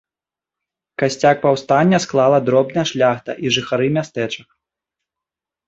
Касцяк паўстання склала дробная шляхта і жыхары мястэчак.